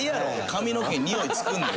髪の毛におい付くんで。